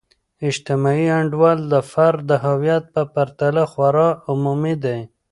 اجتماعي انډول د فرد د هویت په پرتله خورا عمومی دی.